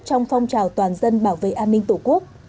trong phong trào toàn dân bảo vệ an ninh tổ quốc